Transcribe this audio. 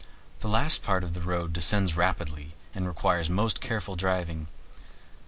The last part of the road descends rapidly, and requires most careful driving.